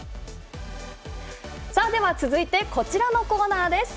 さあでは続いてこちらのコーナーです。